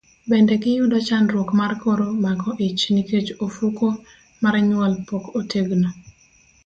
Bende giyud chandruok mar koro mako ich nikech ofuko mar nyuol pok otegno.